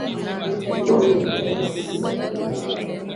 vita hiyo ilihitaji nguvu zote za mfalme